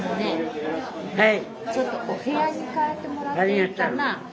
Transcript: ちょっとお部屋に帰ってもらっていいかな。